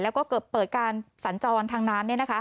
และก็เกือบเปิดการสันจรทางน้ำ